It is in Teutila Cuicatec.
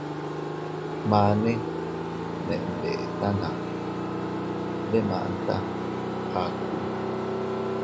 Mane ne ndetana, ndemanta aku.